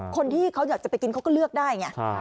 คนที่เขาอยากจะไปกินเขาก็เลือกได้ไง